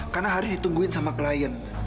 karena haris ditungguin sama klien